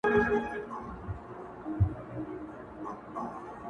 تمه نه وه د پاچا له عدالته.!